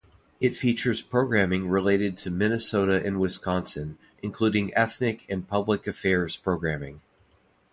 It features programming related to Minnesota and Wisconsin, including ethnic and public-affairs programming.